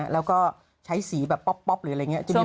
แล้วก็ใช้สีแบบป๊อปหรืออะไรอย่างนี้